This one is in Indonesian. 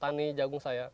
tani jagung saya